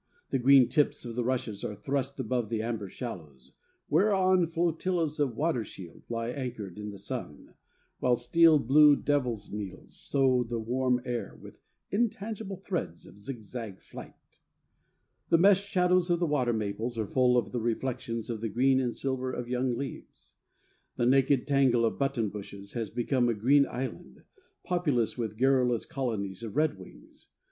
The green tips of the rushes are thrust above the amber shallows, whereon flotillas of water shield lie anchored in the sun, while steel blue devil's needles sew the warm air with intangible threads of zigzag flight. The meshed shadows of the water maples are full of the reflections of the green and silver of young leaves. The naked tangle of button bushes has become a green island, populous with garrulous colonies of redwings.